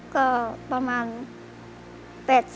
ก็ประมาณ๘๐บาท